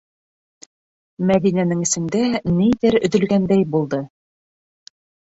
- Мәҙинәнең эсендә ниҙер өҙөлгәндәй булды.